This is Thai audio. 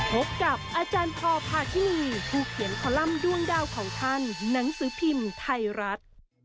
พบกับอาจารย์พอพาทินีผู้เขียนคอลัมป์ด้วงดาวของท่านหนังสือพิมพ์ไทยรัฐ